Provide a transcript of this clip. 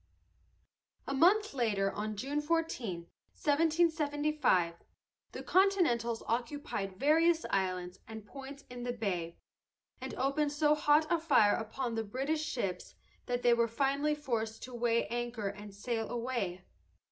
A month later, on June 14, 1775, the Continentals occupied various islands and points in the bay, and opened so hot a fire upon the British ships that they were finally forced to weigh anchor and sail away.